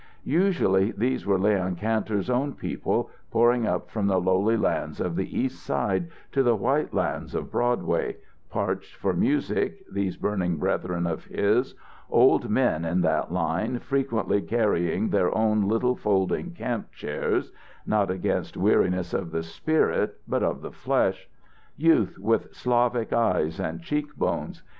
Usually these were Leon Kantor's own people pouring up from the lowly lands of the East Side to the white lands of Broadway, parched for music, these burning brethren of his old men in that line, frequently carrying their own little folding camp chairs, not against weariness of the spirit but of the flesh; youth with Slavic eyes and cheek bones.